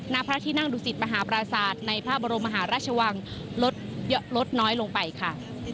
ณพระที่นั่งดุสิตมหาปราศาสตร์ในพระบรมมหาราชวังลดน้อยลงไปค่ะ